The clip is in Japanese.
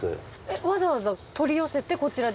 わざわざ取り寄せてこちらで？